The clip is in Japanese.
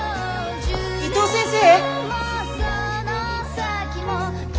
伊藤先生！